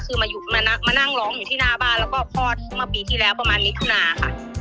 คือมานั่งร้องอยู่ที่หน้าบ้านแล้วก็คลอดเมื่อปีที่แล้วประมาณมิถุนาค่ะ